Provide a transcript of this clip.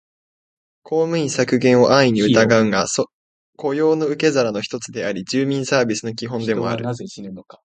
公務員削減を安易にうたうが、雇用の受け皿の一つであり、住民サービスの基本でもある